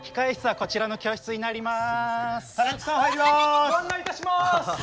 こちら椅子になります。